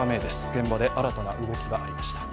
現場で新たな動きがありました。